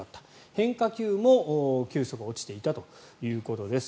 変化球も球速が落ちていたということです。